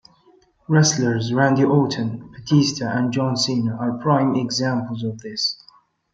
Wrestlers Randy Orton, Batista, and John Cena are prime examples of this.